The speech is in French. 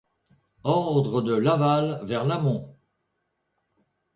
Ordre de l'aval vers l'amont.